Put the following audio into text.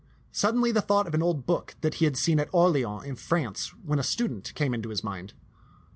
Suddenly the thought of an old book that he had seen at Orleans in France when a student came into his mind.